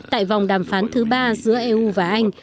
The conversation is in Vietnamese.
tại vòng đàm phán thứ ba giữa eu và anh